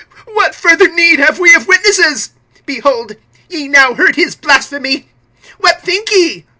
What further need have we of witnesses? Behold, ye now heard his blasphemy. (66)What think ye?